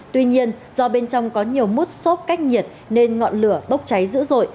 tuy nhiên do bên trong có nhiều mút xốp cách nhiệt nên ngọn lửa bốc cháy dữ dội